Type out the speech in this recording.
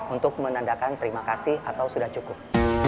untuk menandakan terima kasih atau sudah cukup